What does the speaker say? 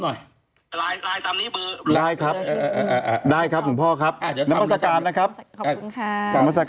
อยากจะทำหน่อย